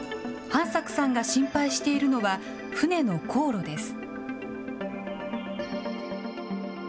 飯作さんが心配しているのは、船の航路です。